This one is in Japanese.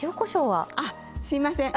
はいすいません。